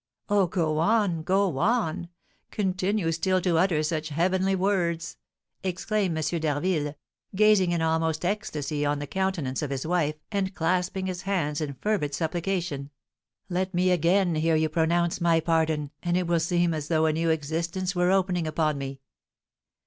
"Oh, go on! Go on! Continue still to utter such heavenly words!" exclaimed M. d'Harville, gazing in almost ecstasy on the countenance of his wife, and clasping his hands in fervid supplication. "Let me again hear you pronounce my pardon, and it will seem as though a new existence were opening upon me."